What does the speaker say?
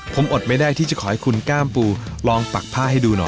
ผมอดไม่ได้ที่จะขอให้คุณก้ามปูลองปักผ้าให้ดูหน่อย